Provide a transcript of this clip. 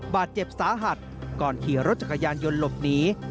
บาดเจ็บสาหัสก่อนขี่รถจักรยานยนต์หลบหนี